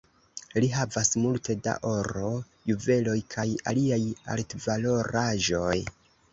Ri havas multe da oro, juveloj kaj aliaj altvaloraĵoj.